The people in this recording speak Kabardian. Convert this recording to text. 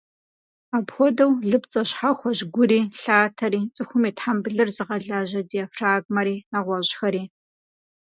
Апхуэдэу, лыпцӏэ щхьэхуэщ гури, лъатэри, цӏыхум и тхьэмбылыр зыгъэлажьэ диафрагмэри, нэгъуэщӏхэри.